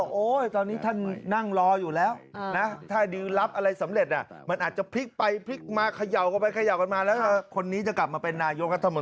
ไอ้ที่ดีลลับอะไรกันเนี่ยลือกันถึงท่านที่ว่านะครับ